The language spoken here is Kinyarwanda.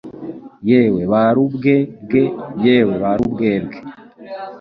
Yewe Barubwe bwe ! Yewe Barubwebwe